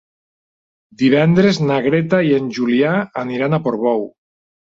Divendres na Greta i en Julià aniran a Portbou.